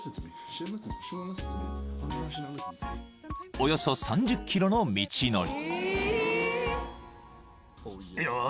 ［およそ３０ｋｍの道のり］